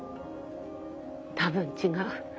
多分違う。